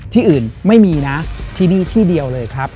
ที่อื่นไม่มีนะที่นี่ที่เดียวเลยครับ